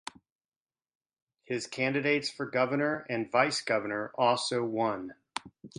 His candidates for governor and vice governor also won.